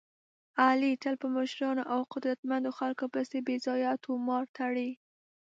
علي تل په مشرانو او قدرمنو خلکو پسې بې ځایه طومار تړي.